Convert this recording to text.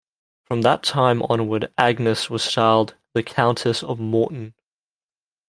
From that time onward Agnes was styled the Countess of Morton.